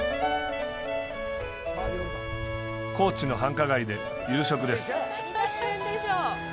高知の繁華街で夕食です！